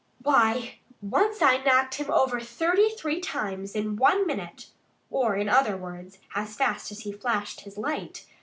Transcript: Why, once I knocked him over thirty three times in one minute or in other words, as fast as he flashed his light.